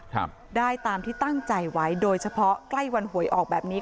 ครับได้ตามที่ตั้งใจไว้โดยเฉพาะใกล้วันหวยออกแบบนี้